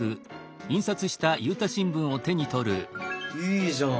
いいじゃん。